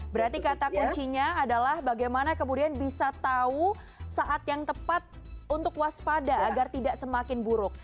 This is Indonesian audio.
berarti kata kuncinya adalah bagaimana kemudian bisa tahu saat yang tepat untuk waspada agar tidak semakin buruk